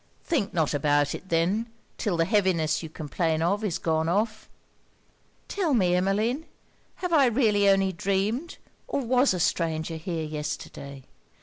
'Think not about it, then, till the heaviness you complain of is gone off.' 'Tell me, Emmeline, have I really only dreamed, or was a stranger here yesterday?